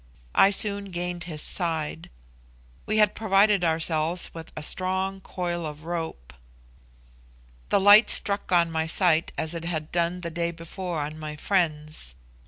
I soon gained his side. We had provided ourselves with a strong coil of rope. The light struck on my sight as it had done the day before on my friend's.